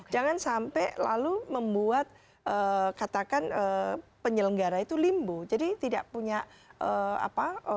jangan sampai lalu membuat katakan penyelenggara itu limbo jadi tidak punya apa